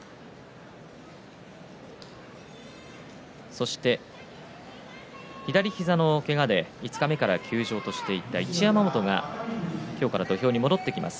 そして左膝のけがで五日目から休場としていた一山本が今日から土俵に戻ってきます。